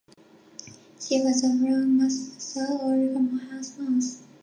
She was a brown "Mus musculus" or common house mouse.